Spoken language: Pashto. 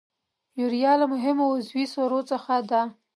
یوریا له مهمو عضوي سرو څخه ده.